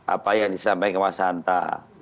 apa yang disampaikan mas hanta